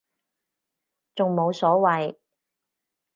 仲冇所謂